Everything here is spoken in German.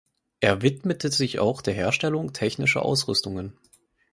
Er widmete sich auch der Herstellung technischer Ausrüstungen.